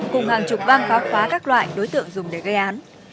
cùng hàng chục vang phá khóa các loại đối tượng dùng để gây án